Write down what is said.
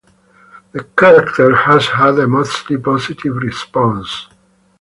The character has had a mostly positive response.